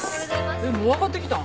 えっもう上がってきたん？